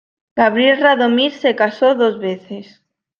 Gabriel Radomir se casó dos veces.